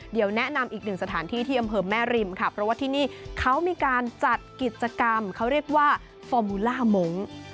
เดี๋ยวแนะนำอีกหนึ่งสถานที่ที่อำเภอแม่ริมค่ะเพราะว่าที่นี่เขามีการจัดกิจกรรมเขาเรียกว่าฟอร์มูล่ามงค์